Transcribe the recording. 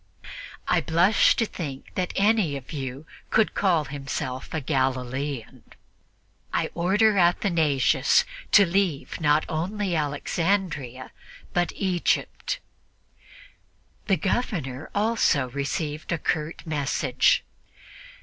I blush to think that any of you could call himself a Galilean. I order Athanasius to leave not only Alexandria, but Egypt." The Governor also received a curt message.